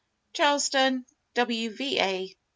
Charleston^ W. Va.^ Dec.